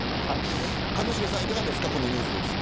一茂さん、いかがですか。